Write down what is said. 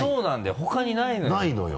ほかにないのよ。